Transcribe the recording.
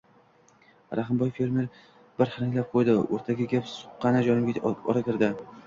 Rahimboy fermer, bir hiringlab qo‘yib, o‘rtaga gap suqqani jonimga ora kirdi: